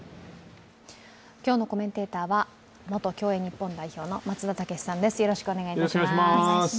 今日のコメンテーターは元競泳日本代表の松田丈志さんです。